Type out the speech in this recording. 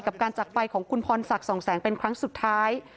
กับการจักรไปของคุณพรศักดิ์สองแสงเป็นครั้งสุดท้าย